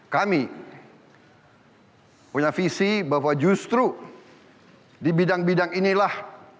kami punya visi bahwa justru di bidang bidang inilah